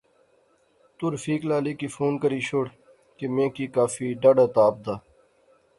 تو رفیق لالے کی فون کری شوڑ کہ میں کی کافی ڈاھڈا تپ دا